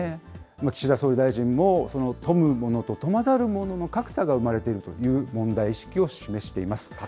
岸田総理大臣も、富む者と富まざる者の格差が生まれているという問題意識を示しています。